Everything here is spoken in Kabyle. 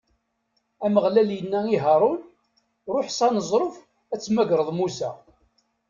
Ameɣlal inna i Haṛun: Ṛuḥ s aneẓruf ad temmagreḍ Musa.